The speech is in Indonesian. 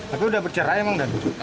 tapi udah bercerai emang dan